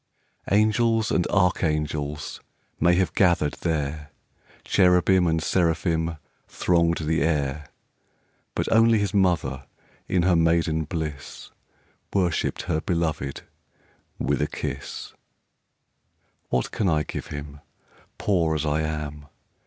Angels and archangels May have gathered there; Cherubim and seraphim Thronged the air. But only His Mother, In her maiden bliss, Worshipped her Beloved With a kiss. Digitized by VjOOQ iC A CHRISTMAS CAROL 209 What can I give Him, Poor as I am?